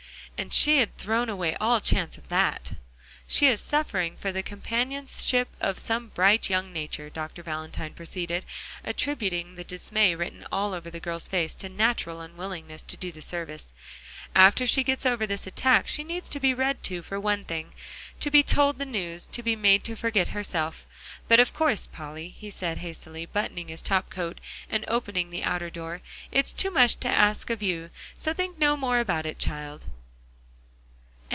And she had thrown away all chance of that. "She is suffering for the companionship of some bright young nature," Dr. Valentine proceeded, attributing the dismay written all over the girl's face to natural unwillingness to do the service. "After she gets over this attack she needs to be read to for one thing; to be told the news; to be made to forget herself. But of course, Polly," he said hastily, buttoning his top coat, and opening the outer door, "it's too much to ask of you; so think no more about it, child."